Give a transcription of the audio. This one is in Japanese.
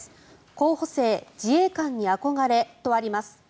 候補生、自衛官に憧れとあります。